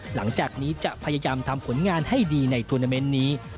หลังจากนี้จะพยายามทำผลงานให้ดีในทวนาเมนต์นี้